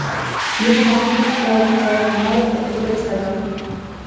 Diego Martínez é o adestrador de moda do fútbol español.